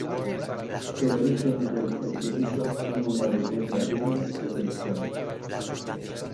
El origen del gentilicio tiene una leyenda digna de mención.